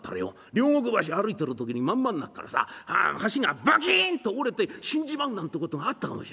両国橋歩いてる時に真ん真ん中からさ橋がバキンッと折れて死んじまうなんてことがあったかもしれねえ。